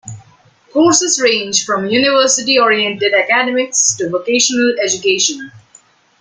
Courses range from university-oriented academics to vocational education.